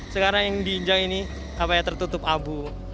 sekarang yang diinjang ini apa ya tertutup abu